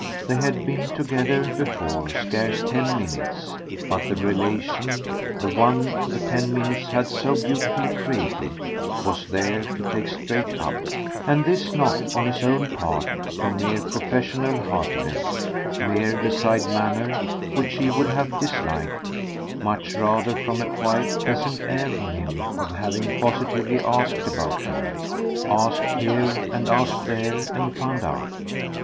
They had been together, before, scarce ten minutes, but the relation, the one the ten minutes had so beautifully created, was there to take straight up: and this not, on his own part, from mere professional heartiness, mere bedside manner, which she would have disliked much rather from a quiet pleasant air in him of having positively asked about her, asked here and asked there and found out.